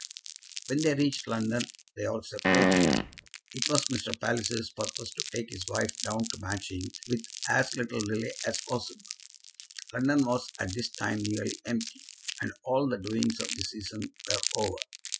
When they reached London they all separated. It was Mr. Palliser's purpose to take his wife down to Matching with as little delay as possible. London was at this time nearly empty, and all the doings of the season were over.